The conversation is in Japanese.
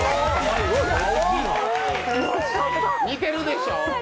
似てるでしょ。